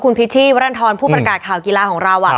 คุณพิชชี่วรรณฑรผู้ประกาศข่าวกีฬาของเรา